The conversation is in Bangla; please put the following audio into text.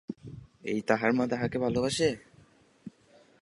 এই তাহার মা তাহাকে ভালোবাসে!